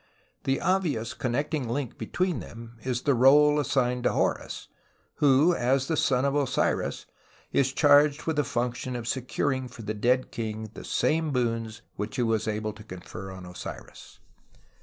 The obvious connecting link between them is the role assigned to Horus, who, as the son of Osiris, is charged with the function of securing for the dead king the same boons which he was able to confer on Osiris.